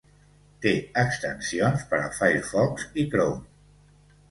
Té extensions per a Firefox i Chrome.